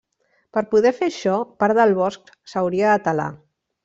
Per poder fer això, part del bosc s'hauria de talar.